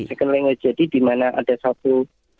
second language jadi di mana ada satu